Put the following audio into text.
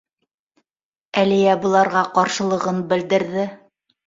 — Әлиә быларға ҡаршылығын белдерҙе.